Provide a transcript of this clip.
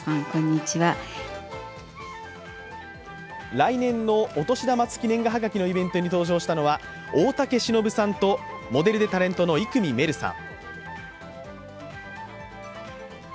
来年のお年玉付年賀はがきのイベントに登場したのは大竹しのぶさんと、モデルでタレントの生見愛瑠さん。